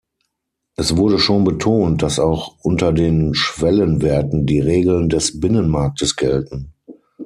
Es wurde schon betont, dass auch unter den Schwellenwerten die Regeln des Binnenmarktes gelten.